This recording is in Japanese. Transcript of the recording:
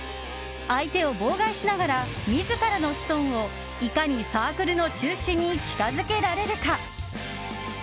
相手を妨害しながら自らのストーンをいかにサークルの中心に近づけられるか。